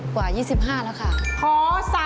กว่า๒๕แล้วค่ะ